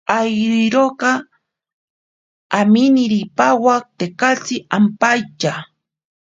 Airorika aminiri pawa tekatsi ampaitya.